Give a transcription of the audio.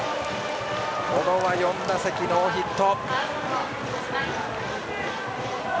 小野は４打席、ノーヒット。